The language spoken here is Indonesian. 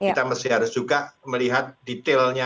kita mesti harus juga melihat detailnya